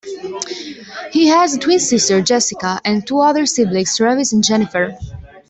He has a twin sister, Jessica, and two other siblings, Travis and Jennifer.